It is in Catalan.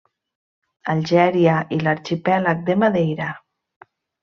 Algèria i l'arxipèlag de Madeira.